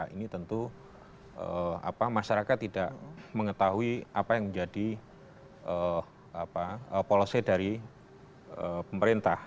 ini tentu masyarakat tidak mengetahui apa yang menjadi policy dari pemerintah